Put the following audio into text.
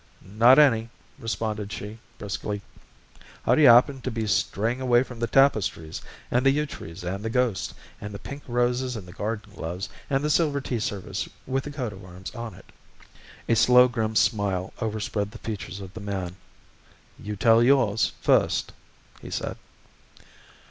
"Not any," responded she, briskly. "How do you happen to be straying away from the tapestries, and the yew trees and the ghost, and the pink roses, and the garden gloves, and the silver tea service with the coat of arms on it?" A slow, grim smile overspread the features of the man. "You tell yours first," he said.